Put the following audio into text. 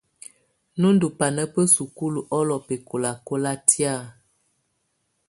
Nú ndù bana bà sukulu ɔlɔ bɛkɔlakɔla tɛ̀á.